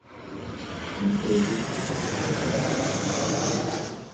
Мы прызвычаіліся да гэтага.